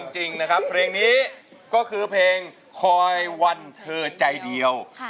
จริงนะครับเพลงนี้ก็คือเพลงคอยวันเธอใจเดียว